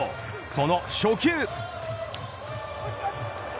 その初球。